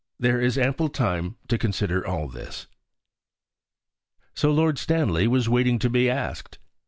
There is ample time to consider all this. So Lord Stanley was waiting to be asked.